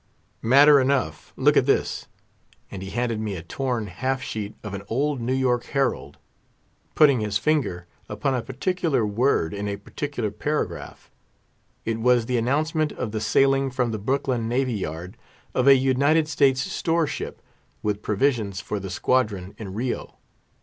"Matter enough—look at this!" and he handed me a torn half sheet of an old New York Herald, putting his finger upon a particular word in a particular paragraph. It was the announcement of the sailing from the Brooklyn Navy yard of a United States store ship, with provisions for the squadron in Rio.